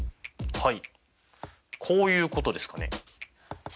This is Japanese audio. はい。